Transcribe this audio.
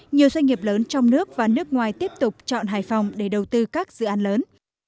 nhiều doanh nghiệp lớn trong nước và nước ngoài tiếp tục chọn hải phòng để đầu tư các dự án lớn